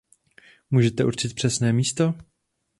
Můžete určit presné místo?